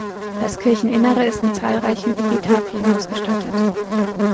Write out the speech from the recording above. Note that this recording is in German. Das Kircheninnere ist mit zahlreichen Epitaphien ausgestattet.